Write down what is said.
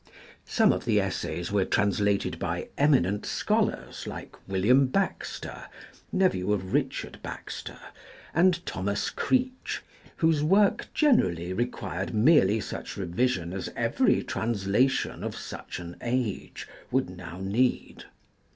Some of the essays were translated by eminent scholars like William Baxter (nephew of Richard Baxter) and Thomas Creech, whose work generally required merely such revision as every translation of such an age would now need.